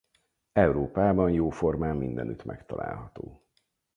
Európában jóformán mindenütt megtalálható.